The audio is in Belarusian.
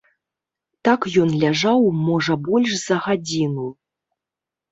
Так ён ляжаў, можа, больш за гадзіну.